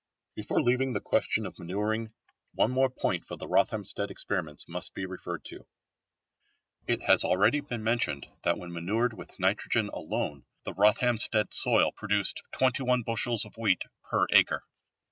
Before leaving the question of manuring one more point from the Rothamsted experiments must be referred to. It has already been mentioned that when manured with nitrogen alone the Rothamsted soil produced 21 bushels of wheat per acre.